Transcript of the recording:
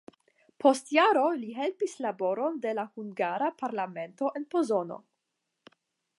Post jaro li helpis laboron de la hungara parlamento en Pozono.